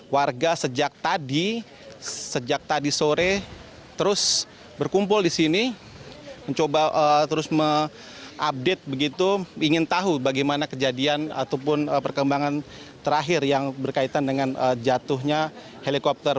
warga sejak tadi sejak tadi sore terus berkumpul di sini mencoba terus mengupdate begitu ingin tahu bagaimana kejadian ataupun perkembangan terakhir yang berkaitan dengan jatuhnya helikopter